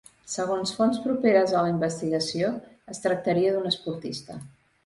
Segons fonts properes a la investigació es tractaria d’un esportista.